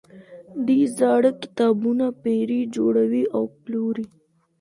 دی زاړه کتابونه پيري، جوړوي او پلوري.